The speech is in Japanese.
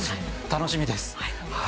楽しみです。